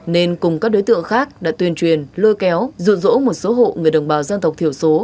nên cùng các đối tượng khác đã tuyên truyền lôi kéo dụ dỗ một số hộ người đồng bào dân tộc thiểu số